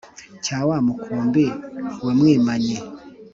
cya wa mukumbi wa mwimanyi